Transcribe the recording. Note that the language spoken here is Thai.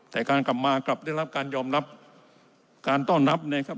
แต่การกลับมากลับได้รับการยอมรับการต้อนรับนะครับ